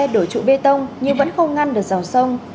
đổi trụ bê tông nhưng vẫn không ngăn được dòng sông